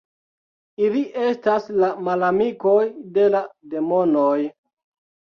Ili estas la malamikoj de la demonoj.